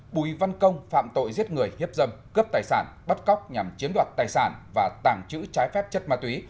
bùi văn công phạm tội giết người hiếp dâm cướp tài sản bắt cóc nhằm chiếm đoạt tài sản và tàng trữ trái phép chất ma túy